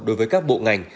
đối với các bộ ngành